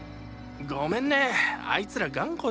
ごめんねあいつら頑固でさぁ。